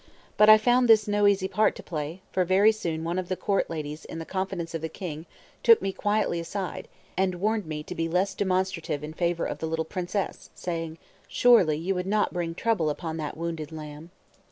But I found this no easy part to play; for very soon one of the court ladies in the confidence of the king took me quietly aside and warned me to be less demonstrative in favor of the little princess, saying, "Surely you would not bring trouble upon that wounded lamb."